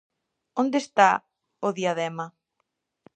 Onde está o diadema?